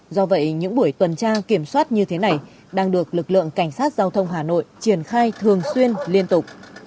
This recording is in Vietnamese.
do vậy những buổi tuần tra kiểm soát như thế này đang được lực lượng cảnh sát giao thông hà nội triển khai thường xuyên liên tục